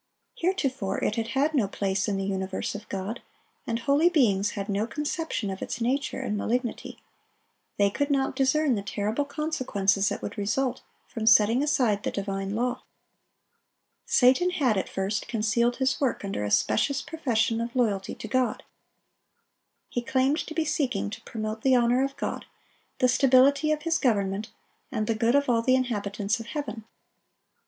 Heretofore it had had no place in the universe of God, and holy beings had no conception of its nature and malignity. They could not discern the terrible consequences that would result from setting aside the divine law. Satan had, at first, concealed his work under a specious profession of loyalty to God. He claimed to be seeking to promote the honor of God, the stability of His government, and the good of all the inhabitants of heaven.